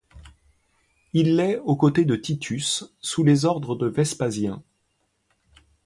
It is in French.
Il l'est aux côtés de Titus sous les ordres de Vespasien.